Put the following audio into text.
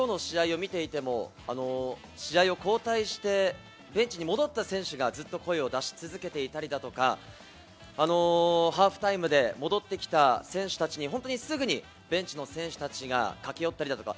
今日の試合を見ていても交代してベンチに戻った選手がずっと声を出し続けていたりだとか、ハーフタイムで戻ってきた選手たちにすぐにベンチの選手たちが駆け寄ったりとか。